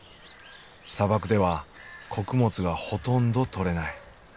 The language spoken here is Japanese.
砂漠では穀物がほとんど取れない。